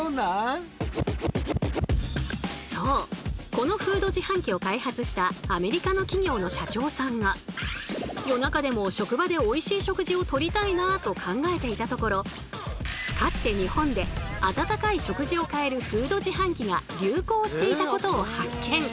このフード自販機を開発したアメリカの企業の社長さんがと考えていたところかつて日本で温かい食事を買えるフード自販機が流行していたことを発見。